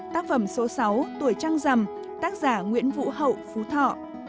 tác phẩm số sáu tuổi trăng rằm tác giả nguyễn vũ hậu phú thọ